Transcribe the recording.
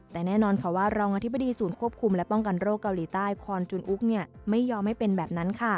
แต่แน่นอนค่ะว่ารองอธิบดีศูนย์ควบคุมและป้องกันโรคเกาหลีใต้คอนจุนอุ๊กไม่ยอมให้เป็นแบบนั้นค่ะ